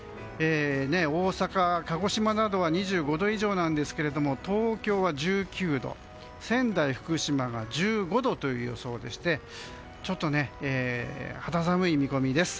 大阪、鹿児島などは２５度以上ですけれども東京は１９度仙台、福島が１５度という予想でしてちょっと肌寒い見込みです。